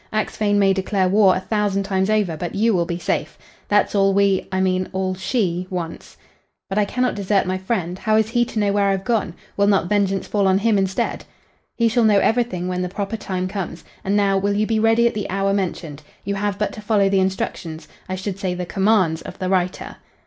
Axphain may declare war a thousand times over, but you will be safe. That's all we I mean, all she wants." "But I cannot desert my friend. How is he to know where I've gone? Will not vengeance fall on him instead?" "He shall know everything when the proper time comes. And now, will you be ready at the hour mentioned. You have but to follow the instructions I should say, the commands of the writer."